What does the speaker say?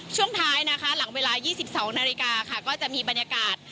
ช่วงท้ายนะคะหลังเวลา๒๒นาฬิกาค่ะก็จะมีบรรยากาศ